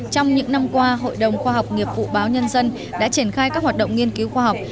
trong những năm qua hội đồng khoa học nghiệp vụ báo nhân dân đã triển khai các hoạt động nghiên cứu khoa học